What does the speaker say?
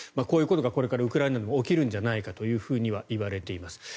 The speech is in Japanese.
こういうことがこれからウクライナでも起きるんじゃないかといわれています。